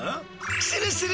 するする！